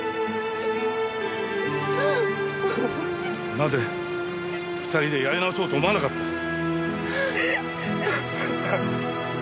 なぜ２人でやり直そうと思わなかったんだ。